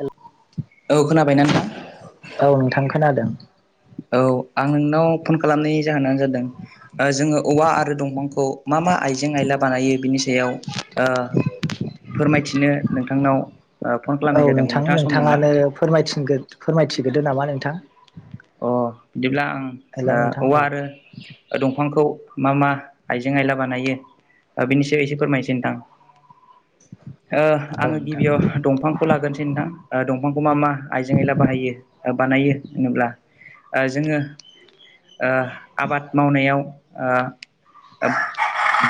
हेल औ खोनाबायना नोंथां। औ नोंथां खोनादों। औ आं नोंनाव फन खालामनायनि जाहोनानो जादों जोंङो औवा आरो दंफांखौ मा मा आइजें आयला बानायो बिनि सायाव फोरमायथिनो नोंथांनाव फन औ खालामनाय जादोंमोन नोंथां नोंथाङा सम दंना नोंथांङानो फोर फोरमायथिग्रोदो नामा नोंथां अ बिदिब्ला आं हेल' नोंथां औवा औ आरो दं बिफांखौ मा मा आइजें आयला बानायो बेनिसायाव एसे फोरमायनोसै नोंथां औ आङो नोंथां गिबियाव दंफांखौ लागोनोसै नदां दंफांखौ मा मा आइजें आइला बाहायो बानायो होनोब्ला ओ जोंङो आबाद मावनायाव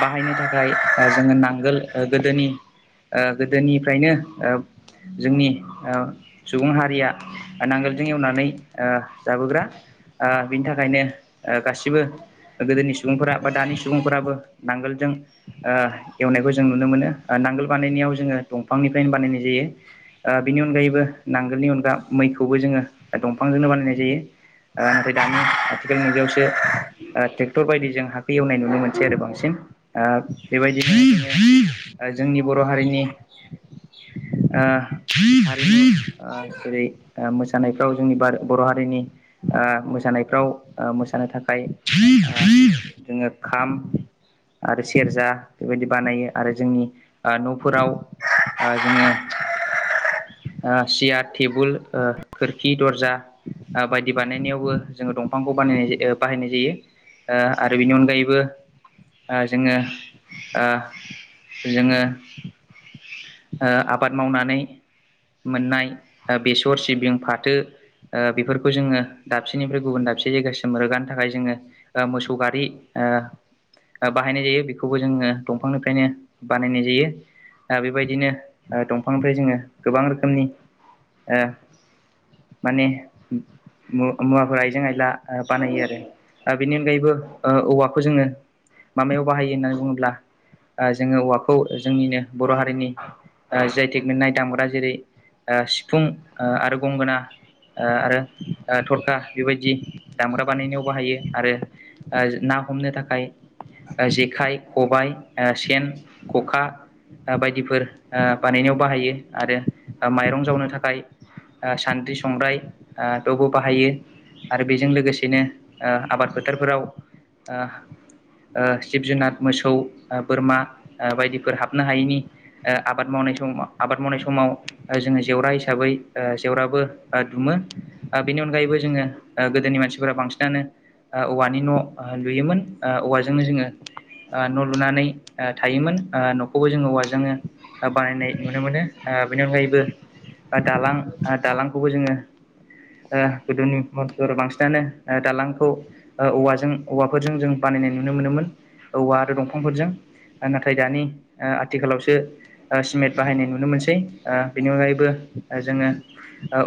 बाहायनो थाखाय जोङो नांगोल गोदोनि गोदोनिफ्रायनो जोंनि सुबुं हारिया नांगोलजों एवनानै जाबोग्रा बिनि थाखायनो गासिबो गोदोनि सुबुंफोरा बा दानि सुबुंफोराबो नांगोलजों एवनायखौ जों नुनो मोनो नांगोल बानायनायाव जोङो दंफांनिफ्रायनो बानायनाय जायो। बिनि अनगायैबो नांगोलनि अनगा मैखौबो जोङो दंफांजोंनो बानायनाय जायो। नाथाय दानि आथिखाल मुगायावसो ट्रेक्टर बायदिजों हाखौ एवनाय नुनो मोनसै आरो बांसिन बेबायदिनो जोंनि बर' हारिनि [inaudible] हारिमु जेरै मोसानायफ्राव जोंनि बर' हारिनि मोसानायफ्राव मोसानो थाखाय जोङो खाम आरो सेरजा बेबायदि बानायो आरो जोंनि न'फोराव आ जोङो सियार टेबोल खोरखि दर्जा बायदि बानायनायावबो जोङो दंफांखौ बानायनाय बाहायनाय जायो। आरो बेनि अनगायैबो जोङो जोङो आबाद मावनानै मोननाय बेसर सिबिं फाथो बेफोरखौ जोङो दाबसेनिफ्राय गुबुन दाबसे जायगासिम रोगानो थाखाय जोङो मोसौ गारि बाहायनाय जायो बेखौबो जोङो दंफांनिफ्रायनो बानायनाय जायो बेबायदिनो दंफांनिफ्राय जोङो गोबां रोखोमनि माने मुवाफोर आइजें आयला बानायो आरो दा बेनि अनगायैबो औवाखौ जोङो माबायाव बाहायो होननानै बुङोब्ला जोङो औवाखौ जोंनिनो बर' हारिनि जि आइ टेक मोननाय दामग्रा जेरै सिफुं आरो गंगोना आरो थरखा बेबायदि दामग्रा बानायनायाव बाहायो आरो ना हम थाखाय जेखाइ खबाय सेन ख'खा बायदिफोर बानायनायाव बाहायो आरो माइरं जावनो थाखाय सान्द्रि संग्राय बेवबो बाहायो आरो बेजों लोगोसेनो आबाद फोथारफोराव आ जिब जुनार मोसौ बोरमा बायदिफोर हाबनो हायैनि आबाद मावनाय मावनाय समाव आबाद मावनाय समाव जोङो जेवरा हिसाबै जेवराबो दुमो बेनि अनगायैबो जोङो गोदोनि मानसिफोरा बांसिनानो औवानि न' लुयोमोन औवाजोंनो जोङो न' लुनानै थायोमोन न'खौबो जोङो औवाजोंनो बानायनाय नुनो मोनो बेनि अनगायैबो दालां दालांखौबो जोङो [inaudible] गोदोनि मानसिफोरा बांसिनानो दालांखौ औवाजों औवाफोरजों जों बानायनाय नुनो मोनोमोन औवा आरो दंफांफोरजों नाथाय दानि आथिखालावसो सिमेन्ट बाहायनाय नुनो मोनसै बेनि अनगायैबो जोङो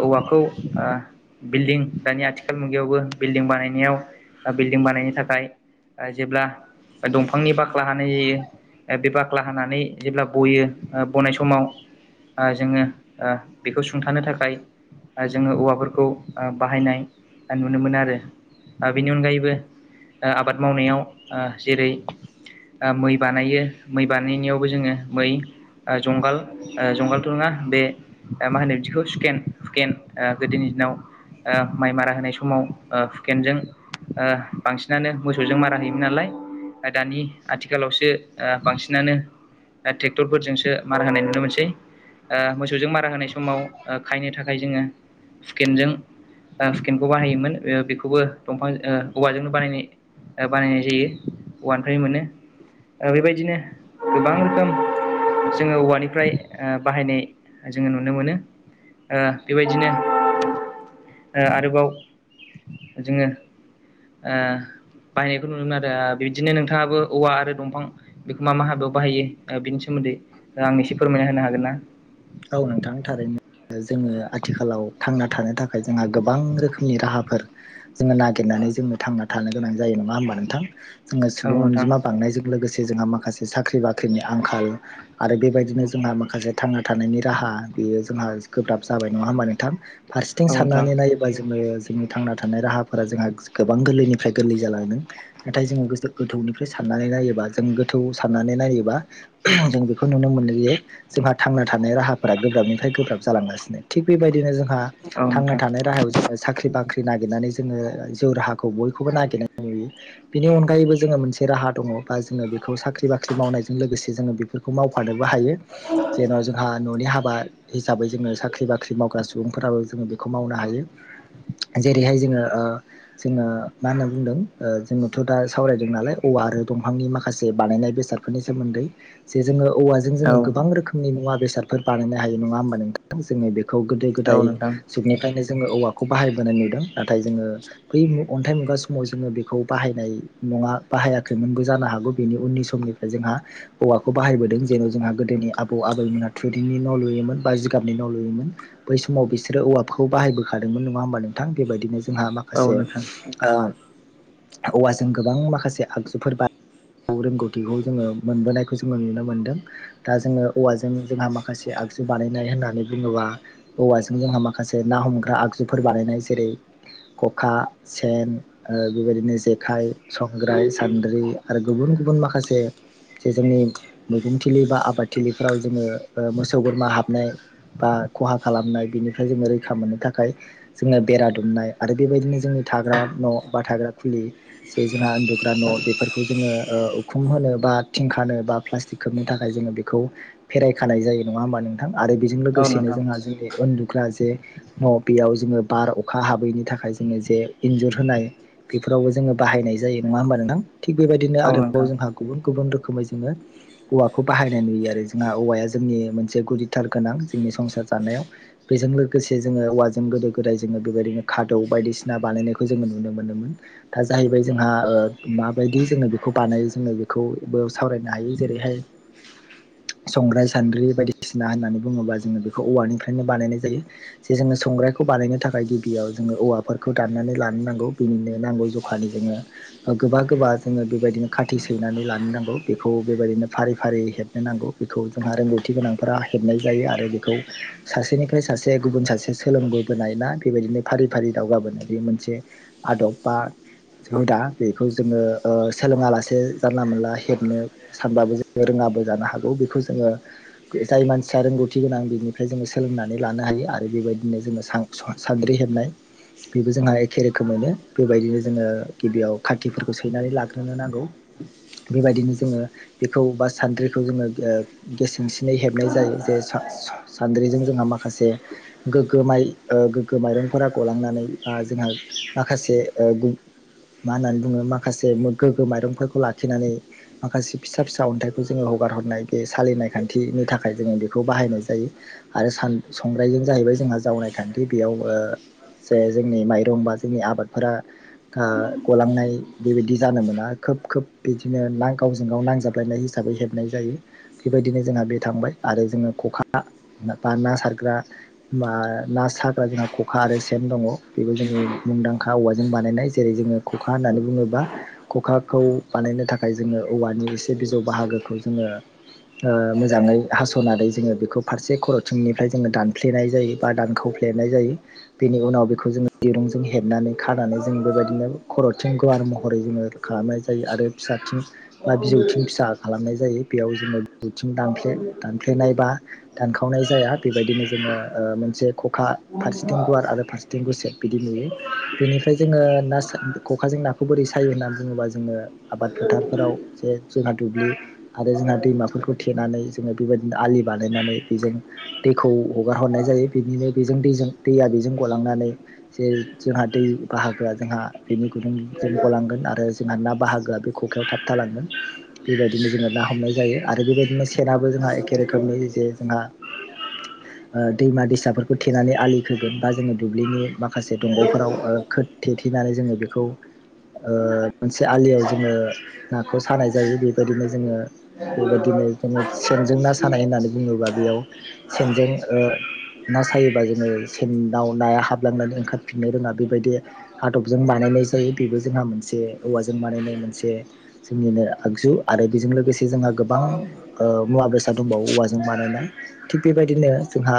औवाखौ बिल्डिं दानि आथिखाल मुगायावबो बिल्डिं बानायनायाव बिल्डिं बानायनो थाखाय जेब्ला दंफांनि बाख्ला हानाय जायो बे बाख्ला बाख्ला हानानै जेब्ला बयो बनाय समाव जोङो बेखौ सुंथानो थाखाय जोङो औवाफोरखौ बाहायनाय नुनो मोनो आरो बेनि अनगायैबो आबाद मावनायाव जेरै मै बानायो मै बानायनायावबो जोङो मै जुंगाल जंगालथ' नङा बे मा होनो बिदिखौ सुकेन सुकेन गोदोनि दिनाव माइ मारा होनाय समाव हुकेनजों बांसिनानो मोसौजों मारा होयोमोन नालाय दानि आथिखालावसो बांसिनानो ट्रेक्टरफोरजोंसो मार होनाय नुनो मोनसै मोसौजों मारा होनाय समाव खायनो थाखाय जोङो सुकेनजों स्केनखौ बानायायोमोन बेखौबो दंफां औवाजोंनो बानायनाय बानायनाय जायो अवानिफ्राय मोनो बेबायदिनो गोबां रोखोम जोङो औवानिफ्राय बाहायनाय जोङो नुनो मोनो बेबायदि बिदिनो आरोबाव जोङो ओ। बाहायनायखौ नुनो मोनमोन आरो बिबदिनो नोंथाङाबो औवा आरो दंफां बेखौ मा मा हाबायाव बाहायो बिनि सोमोन्दै आं एसे फोरमायना होनो हागोन ना। औ नोंथां थारैनो। जोङो आथिखालाव थांना थानो थाखाय जोंहा गोबां रोखोमनि राहाफोर जोङो नागिरनो हायो। थां थ गोनां जा हा नोंथां जोङो औ सुबुं नोंथां अनजिमा बांनायजों लोगोसे ज माखासे साख्रि बाख्रिनि आंखाल आरो बेबायदिनो जोंहा माखासे थां थानायनि राहा बेयो जोंहा गोब्राब जाबाय नङा होमबा नोंथां। फारसेथिं औ नोंथां साननानै नायबाय जोङो जोंनि थांना थानाय राहाफोरा जोंहा गोबां गोरलैनिफ्राय गोरलै जालांदों नाथाय जोङो गो गोथौनिफ्राय सान नाया जों गोथौ साननानै नायोबा जों बेखौ नुनो मोनो जे जोंहां थानाय राहाफोरा गोब्राबनिफ्राय गोब्राब जालांगासिनो थिग बेबायदिनो जोंहा औ थांना नोंथां थानाय राहायाव जोङो साख्रि बाख्रि नागिरनानै जोङो जउ राहाखौ बयखौबो नागिरनाय नुयो बेनि अनगायैबो जोङो मोनसे राहा द बा ज बे साख बाख्रि मावनाय लोगोसे जों बेफोरखौ मावफनो हायो जने जों न'नि हाबा हिसाबै जोङो साख्रि बाख्रि मावग्रा सुबुंफोराबो जोङो बेखौ मावनो हायो। जेरैहाय जोङो जोङो मा होनना बुंदों ओ जोङोथ' दा सावरायदों नालाय औवा आरो दंफांनि माखासे बानायनाय बेसादफोरनि सोमोन्दै जे जोङो औवाजों औ जोङो गोबां रोखोमनि मुवा बेसादफोर बानायनो हायो नङा होमबा नोंथां जोङो बे खौ गोदो औ गोदाय नोंथां जुगनिखायनो जोङो औवाखौ बाहायबोनाय नुदों नाथाय जोङो बै अन्थाइ मुगा समाव जोङो बेखौ बाहायनाय। नङा बाहायाखैमोनबो जानो हागौ बेनि उननि समनिफ्राय जोंहा हौवाखौ बाहायबोदों जेन' जोंहा गोदोनि आबौ आबैमोन थुरिनि न' लुयोमोन बा जिगाबनि न' लुयोमोन बै समाव बिसोरो औवाफोरखौ बाहायबोखादोंमोन नङा होनोमब नों गोथां बेबायदिनो जोंहा औ माखासे नोंथां औवाजों गोबां माखासे आगजुफोर बा रोंगौथिखौ जोङो मोनबोनायखौ जोङो नुनो मोनदों दा जोङो औवाजों जों माखासे आगजु बानायनाय होननानै बुङोबा औवाजों जोंहा माखासे ना हमग्रा आगजुफोर बानायनाय जै खखा सेन बेबायदिनो जेखाय संग्राय सानद्रि ज आरो गुबुन गुबुन माखासे जे जोंनि मैगं थिलि बा आबादथििलिफ्राव जोङो मोसौ बोरमा हाबनाय बा खहा खालामनाय बेनिफ्राय जोङो रैखा मोननो थाखाय जोङो बेरा दुमनाय आरो बेबायदिनो जोंनि थाग्रा न' बा थाग्रा खुलि ज जोंहा उन्दुग्रा न' बेफोरखौ जोङो उखुम होनो बा थिंख बा पटिक खोबनो थाखाय जोङो बेखौेर खानाय जायो नङा होमबा नोंथां आरो बेजों औ लोगोसेनो नोंथां औ नोंथां जोंहा जोंनि उन्दुग्रा जे न' बेयाव जोङो बार अखा हाबैनि थाखाय जोङो जे इन्जुर होनाय बेफोरावबो जोङो बाहायनाय जायो नङा होमबा नोंथां थिग बेबायदिनो आरोबाव जोंहा गुबुन गुबुन रोखोमै जोङो औवाखौ बाहायनाय नुयो आरो जोंहा औवाया जों जोंनि मोनसे गुुरदिथार गोनां जोंनि संसार जानायाव बेजों लोगोसे जोङो औवाजों गोदो गोदाय जों बेबायदिनो खादौ बायदिसिना बानायनायखौ जोङो नुनो मोनोन दा जाहैबाय जोंहा मायदि बिदि जोङो बेखौ बानायो जोङो बेखौबो सावरायनो हायो जेरैहाय [unintelligible] संग्राइ सान्द्रि बायदिसिना होननानै बुङोबा जोङो बेखौ औवानिफ्रायनो बानायनाय जायो जे जोङो संग्रायखौ बानायनो थाखाय‌ ओमफाइ गिबियाव जो‌ंङो औवाफोरखौ दाननानै लानो नांगौ बिनिनो नांगौ जखानि जोंङो गोबा गोबा जोंङो बेबायदिनो खाथि सैनानै लानो नांगौ बेखौ बेबायदिनो फारि फारि हेबनोनांगौ बेखौ- जोंहा रोंगौथि गोनांफोरा हेबनाय जायो आरो बेखौ सासेनिफ्राय सासे गुबुन सासे सोलोंबोबोनाय ना बेबायदिनो फारि फारि दावगाबोनाय बे मोनसे आदब बा हुदा बेखौ जोङो ओ सोलोङा लासे जानला मोनला हेबनो सानबाबो जोंङो रोङा लाबो जानो हागौ बेखौ जों जोङो जाय मानसिया रोंगौथि गोनां बिनिफ्राय जोङो सोलोंनानै लानो हायो आरो बेबायदिनो जोङो सां स सानद्रि हेबनाय, बेबो जोंहा एखे रोखोमैनो बेबायदिनो जोङो गिबियाव खाखिफोरखौ सैनानै लाग्रोनो नांगौ बेबायदिनो जोङो बेखौ बा सान्द्रिखौ जोङो ओ गेसेंसिनै हेबनाय जायो जे सा-सा सान्द्रि जों जोंहा माखासे गोगगो माय गोग्गो माइरंफोरा गलांनानै बा जोंहा माखासे ओ मा होननानै बुङो माखासे गोगो मायरं फोरखौ लाखिनानै फिसा अनथायखौ जोङो बारहरनाय बे सालिनाय खान्थिनि थाखाय जों बेखौ बाहायनाय जायो आरो संग्रायजों जाहैबाय जोंहा जावनाय खान्थि बेयाव ओ जे जोंनि माइरं बा जोंनि आबादफोरा ओ गलांनाय बेबायदि जानो मोना आरो खोब खोब बिदिनो ना गावजों गाव नांजाबलायनाय हिसाबै हेबनाय जायो बेबायदिनो जोंहा बे थांबाय आरो जोङो खखा बा ना सारग्रा ना साग्रा जोंहा खखा आरो सेन दङ बेबो जोंनि मुंदांखा औवाजों बानायनाय जेरै जोङो ख'खा होननानै बुङोब्ला खखाखौ बानायनो थाखाय जोङो औवानि एसे बिजौ बाहागोखौ जोङो ओ मोजाङै हास'नानै जोङो बेखौ फारसे खर'थिंनिफ्राय जोङो दानफ्लेनाय जायो बा दान हुफ्लेनाय जायो बेनि उनाव बेखौ जो दिरुंजों हेबनानै खानानै जों बेबायदिनो खरथिं गुवार महरै जोङो खालामनाय जायो आरो फिसाथिं बा बिजौथिं फिसा खालामनाय जायो बियाव जों बैथिं दानफ्ले दानफ्लेनायबा दानखावनाय जाया बेबायदिनो जोङो मोनसे ख'खा फारसेथिं गुवार आरो फारसेथिं गुसेप बिदि नुयो बेनिफ्राय जोङो ना सा-खखा नाखौ बोरै सायो होननानै बुङोबा जोङो आबाद फोथारफोराव जे जोंहा दुब्लि आरो जोंना दैमाफोरखौ थेनानै जोङो बेबायदिनो आलि बानायनानै बेजों दैखौ हगार हरनाय जायो बिदिनो बेजों दैजों दैया बेजों गलांनानै जे जोंहा दै बाहागोआ जोंहा बेनि गुदुं जों गलांगोन आरो जोंहा ना बाहागोआ बे खखायाव थाब थालांगोन बेबायदिनो जोङो ना हमनाय जायो। आरो बेबायदिनो सेनाबो जोंहा एखे रोखोमनि जे जोंहा [inaudible] ओ दैमा दैसाफोरखौ थेनानै आलि खोगोन बा जोङो ब्लिनि माखासे दंग'फोराव खो थेे थे गिनानै जोङो बेखौ ओ मोनसे बेबायदिनो जोङो सेनजों ना सानाय होननानै ना सायोबाय [unintelligible] बिबो जोंहा मोनसे औवाजों बानायनाय मोनसे जोंनिनो आगजु आरो बेजों लोगोसे जोंङा गोबां ओ मुवा बेसाद दा दंबावो औवा बानायनाय थिग बेबायदिनो जोंहा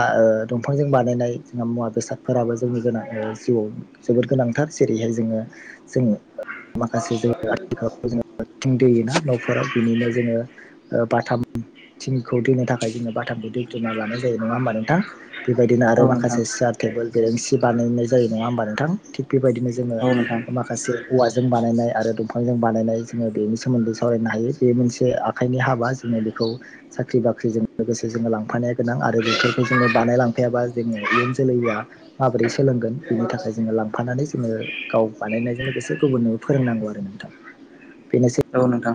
दंफांजों बानायनाय जोंहा मुवा बेसाद फोराबो जोंनि गोनां जिउआव जोबोद गोनांथार जेरैहाय जोङो जों माखासे जोङो आथिखालाव जोथिं दैयोना न'फोराव बिनिनो जोङो बाथाम थंखौ दोननो थाखाय जोङो बाथामखौ दै दोनना लानाय जायो नङा होमबा नोंथां बेबायदिनो औ आरो नोंथां माखासे सियार टेबोल बेरेंसि बानायनाय जायो नङा होमबा नोंथां थिग- बेबायदिनो जोङो औ नोंथां माखासे औवाजों बानायनाय आरो दंफांजों बानायनाय जोङो बेनि सोमोन्दै सावरायनो हायो बे मोनसे आखाइनि हाबा जोङो बेखौ साख्रि बाख्रिजों लोगोसे जोङो लांफानाया गोनां आरो बेफोरखौ जोङो लांफाबा जे इयुन जोलैया माबोरै सोलोंगोन बिनि थाखाय जोङो लांफानानै जोङो गाव बानायनाय जों लोगोसे गुबुननो फोरोंनांगौ आरो नोंथां बेनोसै औ नोंथां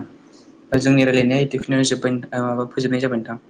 जोंनि रायजलायनाया एथुखिनिआवनो जोब्बाय माबा फोजोबनाय जाबाय नोंथां